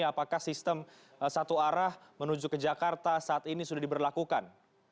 apakah sistem satu arah menuju ke jakarta saat ini sudah diberlakukan